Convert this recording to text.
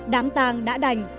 đám tàng đã đành